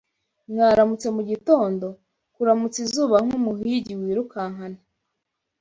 Mwaramutse mugitondo, kuramutsa izuba nkumuhigi wirukankana